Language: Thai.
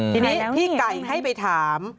ทีนี้พี่ไก่ให้ไปถาม